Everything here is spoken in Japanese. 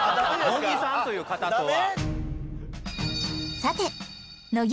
乃木さんという方とは。